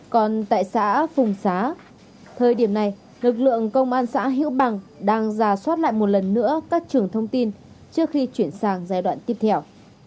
còn tại xã phùng xá thời điểm này lực lượng công an xã hiễu bằng đang ra soát lại một lần nữa các trường thông tin trước khi chuyển sang giai đoạn tiếp theo